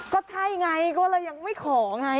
ก็ใช่ไงก็เลยยังไม่ขอไง